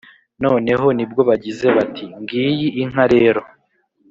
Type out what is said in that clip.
noneho ni bwo bagize bati: ‘ngiyi inka rero,